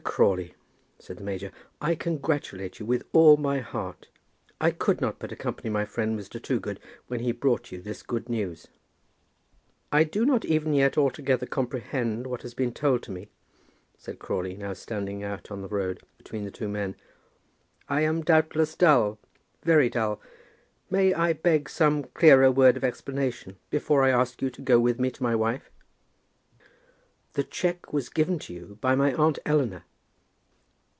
Crawley," said the major, "I congratulate you with all my heart. I could not but accompany my friend, Mr. Toogood, when he brought you this good news." "I do not even yet altogether comprehend what has been told to me," said Crawley, now standing out on the road between the other two men. "I am doubtless dull, very dull. May I beg some clearer word of explanation before I ask you to go with me to my wife?" "The cheque was given to you by my aunt Eleanor."